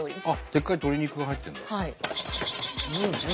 でっかい鶏肉が入ってるんだ。